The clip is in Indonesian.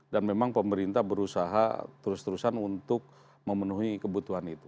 dan memang pemerintah berusaha terus terusan untuk memenuhi kebutuhan itu